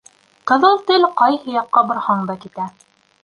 Ҡыҙыл тел ҡайһы яҡҡа борһаң да китә.